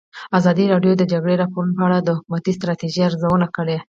ازادي راډیو د د جګړې راپورونه په اړه د حکومتي ستراتیژۍ ارزونه کړې.